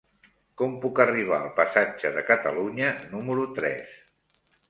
Com puc arribar al passatge de Catalunya número tres?